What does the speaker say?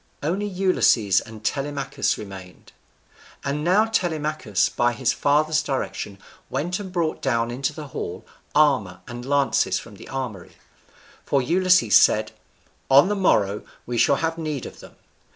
Only Ulysses and Telemachus remained. And now Telemachus, by his father's direction, went and brought down into the hall armour and lances from the armoury; for Ulysses said, "On the morrow we shall have need of them."